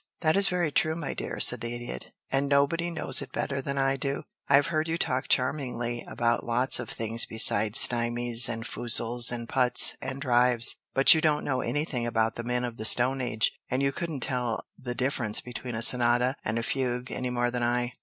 "That is very true, my dear," said the Idiot. "And nobody knows it better than I do. I've heard you talk charmingly about lots of things besides stymies, and foozles, and putts, and drives, but you don't know anything about the men of the Stone Age, and you couldn't tell the difference between a sonata and a fugue any more than I.